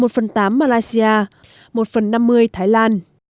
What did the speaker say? một phần tám malaysia một phần năm mươi thái lan